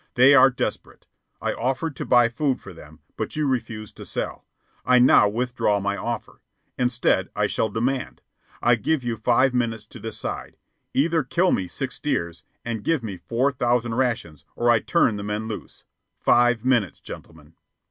They are desperate. I offered to buy food for them, but you refused to sell. I now withdraw my offer. Instead, I shall demand. I give you five minutes to decide. Either kill me six steers and give me four thousand rations, or I turn the men loose. Five minutes, gentlemen."